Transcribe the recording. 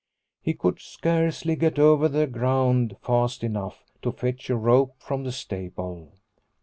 He could scarcely get over the ground fast enough to fetch a rope from the stable.